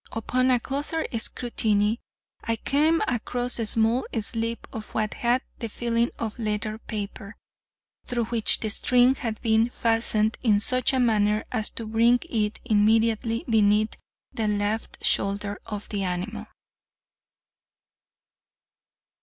Upon a closer scrutiny, I came across a small slip of what had the feeling of letter paper, through which the string had been fastened in such a manner as to bring it immediately beneath the left shoulder of the animal.